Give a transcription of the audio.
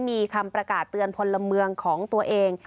มีคำประกาศเตือนพลเมืองของตัวเอง